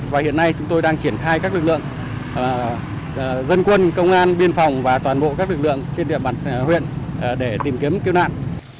và hiện nay chúng tôi đang triển khai các lực lượng dân quân công an biên phòng và toàn bộ các lực lượng trên địa bàn huyện để tìm kiếm cứu nạn